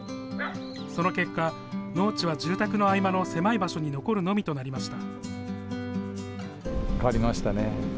その結果、農地は住宅の合間の狭い場所に残るのみとなりました。